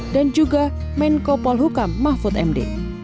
dan juga menko polhukam mahfud md